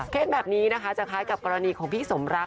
แบบนี้นะคะจะคล้ายกับกรณีของพี่สมรัก